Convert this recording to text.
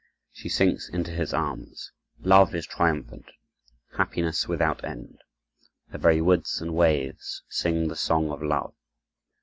She sinks into his arms. Love is triumphant. Happiness without end. The very woods and waves sing the song of love.